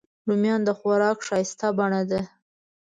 رومیان د خوراک ښایسته بڼه ده